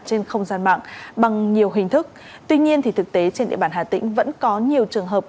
trên không gian mạng bằng nhiều hình thức tuy nhiên thực tế trên địa bàn hà tĩnh vẫn có nhiều trường hợp